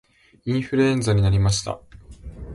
インフルエンザになりました